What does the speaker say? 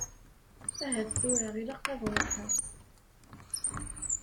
Ahat tura ilaq ad ṛuḥeɣ.